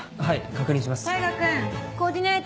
はい。